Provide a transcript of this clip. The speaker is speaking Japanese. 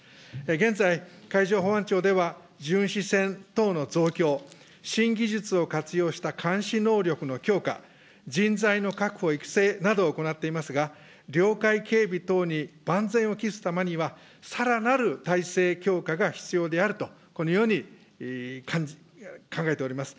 現在、海上保安庁では、巡視船等の増強、新技術を活用した監視能力の強化、人材の確保、育成などを行っていますが、領海警備等に万全を期すためには、さらなる体制強化が必要であると、このように考えております。